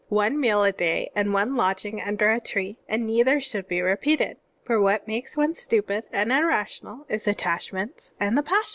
One meal a day and one lodging under a tree, and neither should be repeated. For what makes one stupid and irrational is attachments and the passions."